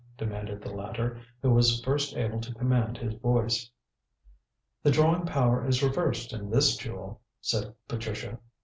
demanded the latter, who was first able to command his voice. "The drawing power is reversed in this jewel," said Patricia.